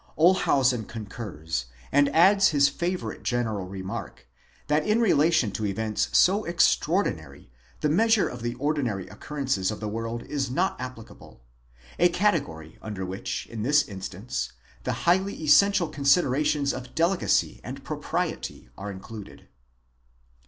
Olshausen concurs, and adds his favourite general remark, that in relation to events so extraordinary the measure of the ordinary occurrences of the world is not applicable : a category under which, in this instance, the highly essential considerations of delicacy and propriety are included.